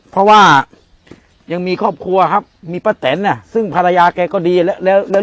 เพราะว่ายังมีครอบครัวครับมีป้าแตนอ่ะซึ่งภรรยาแกก็ดีแล้วแล้ว